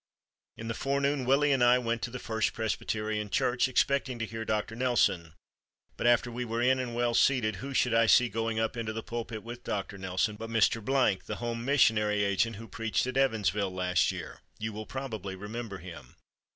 In the forenoon Willie and I went to the First Presbyterian Church, expecting to hear Dr. Nelson, but after we were in and well seated, who should I see going up into the pulpit with Dr. Nelson but Mr. , the Home Missionary agent who preached at Evansville last year, you will probably remember him.